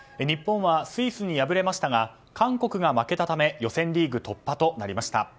日本はスイスに敗れましたが韓国が負けたため予選リーグ突破となりました。